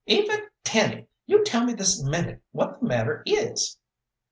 "Eva Tenny, you tell me this minute what the matter is."